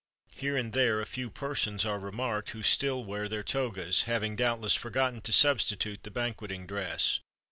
[XXXV 19] Here and there a few persons are remarked who still wear their togas, having doubtless forgotten to substitute the banqueting dress.